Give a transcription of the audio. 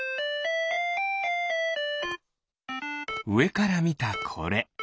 うえからみたこれ。